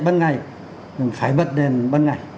ban ngày phải bật đèn ban ngày